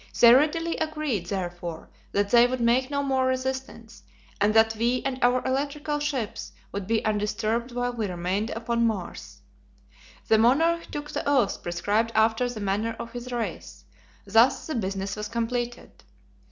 They readily agreed, therefore, that they would make no more resistance and that we and our electrical ships should be undisturbed while we remained upon Mars. The monarch took the oath prescribed after the manner of his race: thus the business was completed.